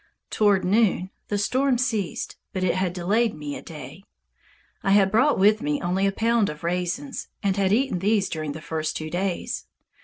Toward noon the storm ceased, but it had delayed me a day. I had brought with me only a pound of raisins, and had eaten these during the first two days.